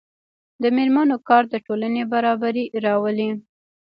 د میرمنو کار د ټولنې برابري راولي.